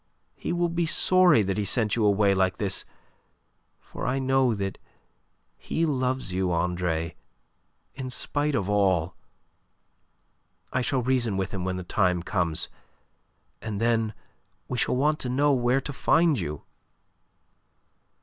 He will be sorry that he sent you away like this for I know that he loves you, Andre, in spite of all. I shall reason with him when the time comes. And then we shall want to know where to find you."